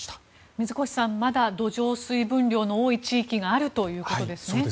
水越さんまだ、土壌水分量の多い地域があるということですね。